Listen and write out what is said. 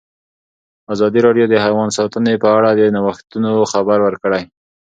ازادي راډیو د حیوان ساتنه په اړه د نوښتونو خبر ورکړی.